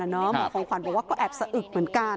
หมอควัลบอกก็แอบสะอึกเหมือนกัน